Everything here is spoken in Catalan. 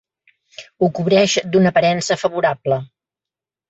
Ho cobreix d'una aparença favorable.